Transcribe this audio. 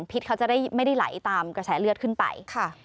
เขาจะได้ไม่ได้ไหลตามกระแสเลือดขึ้นไป